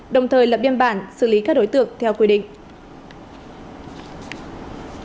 đồng thời lập biên bản xử lý các đối tượng theo quy định